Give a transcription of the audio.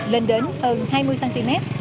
lên đến hơn hai mươi cm